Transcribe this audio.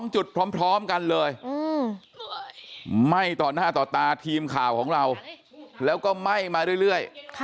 ๒จุดพร้อมกันเลยไหม้ต่อหน้าต่อตาทีมข่าวของเราแล้วก็ไหม้มาเรื่อย